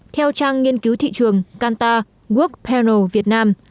theo trang nghiên cứu thị trường canta workpanel việt nam